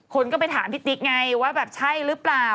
คนก็ไปถามพี่ติ๊กไงว่าแบบใช่หรือเปล่า